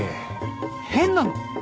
変なの？